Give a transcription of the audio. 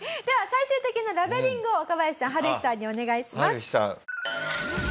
最終的なラベリングを若林さんハルヒさんにお願いします。